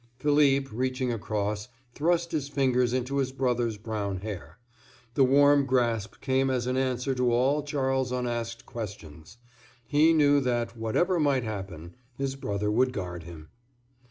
Philippe, reaching across, thrust his fingers into his brother's brown hair. The warm grasp came as an answer to all Charles's unasked questions; he knew that, whatever might happen, his brother would guard him.